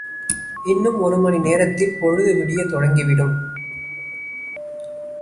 இன்னும் ஒரு மணி நேரத்தில் பொழுது விடியத் தொடங்கி விடும்!